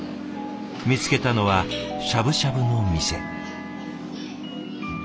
見つけたのはしゃぶしゃぶの店。